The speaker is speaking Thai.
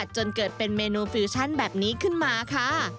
จนเกิดเป็นเมนูฟิวชั่นแบบนี้ขึ้นมาค่ะ